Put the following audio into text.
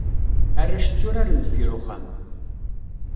Arrac tturaren deffir uxxam.